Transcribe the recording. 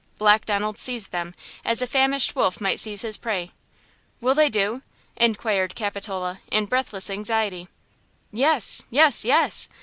Black Donald seized them as a famished wolf might seize his prey. "Will they do?" inquired Capitola, in breathless anxiety. "Yes–yes–yes!